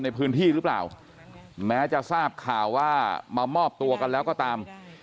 ในพื้นที่หรือเปล่าแม้จะทราบข่าวว่ามามอบตัวกันแล้วก็ตาม